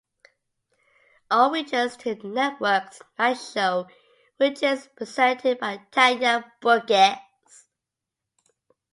All regions take the networked night show which is presented by Tania Burgess.